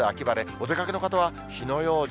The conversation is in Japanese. お出かけの方は火の用心。